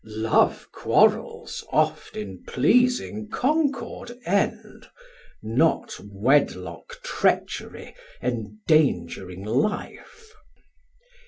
Sam: Love quarrels oft in pleasing concord end, Not wedlock trechery endangering life.